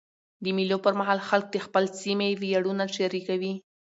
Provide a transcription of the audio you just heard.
د مېلو پر مهال خلک د خپل سیمي ویاړونه شریکوي.